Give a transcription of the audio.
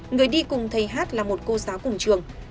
người đi cùng thầy hát là một cô giáo cùng trường